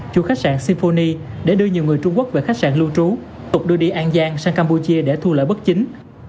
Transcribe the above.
cho khách sạn symphony để đưa nhiều người trung quốc về khách sạn lưu trú tục đưa đi an giang sang campuchia để thu lỡ bất chính